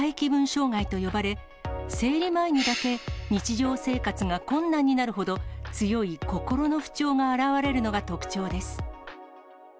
障害と呼ばれ、生理前にだけ日常生活が困難になるほど、強い心の不調が表れるのが特徴です。